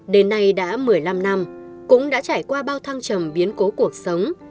đến nay đã một mươi năm năm cũng đã trải qua bao thăng trầm biến cố cuộc sống